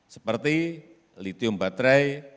seperti litium baterai